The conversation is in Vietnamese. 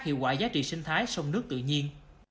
hiệu quả giá trị sinh thái sông nước tự nhiên